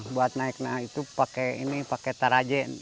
buat naiknya itu pakai ini pakai tarajen